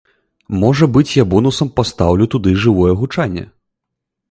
Можа быць я бонусам пастаўлю туды жывое гучанне.